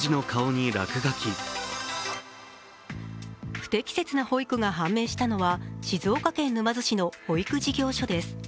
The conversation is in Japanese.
不適切な保育が判明したのは静岡県沼津市の保育事業所です。